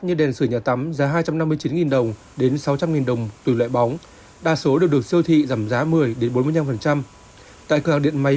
nhiều sản phẩm đã cháy hang trong mấy ngày nay